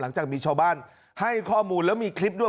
หลังจากมีชาวบ้านให้ข้อมูลแล้วมีคลิปด้วย